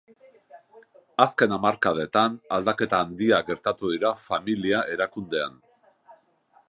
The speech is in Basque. Azken hamarkadetan aldaketa handiak gertatu dira familia-erakundean.